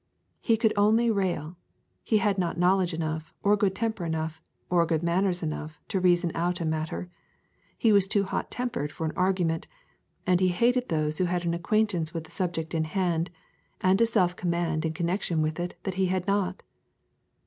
He could only rail; he had not knowledge enough, or good temper enough, or good manners enough to reason out a matter; he was too hot tempered for an argument, and he hated those who had an acquaintance with the subject in hand, and a self command in connection with it that he had not.